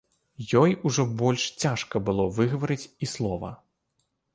Ёй ужо больш цяжка было выгаварыць і слова.